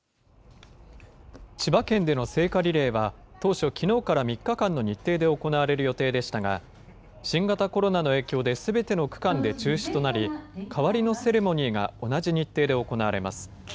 千葉県での聖火リレーは、当初、きのうから３日間の日程で行われる予定でしたが、新型コロナの影響ですべての区間で中止となり、代わりのセレモニーが同じ日程で行われます。